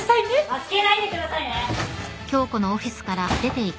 助けないでくださいね！